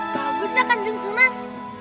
bagusnya panjang senang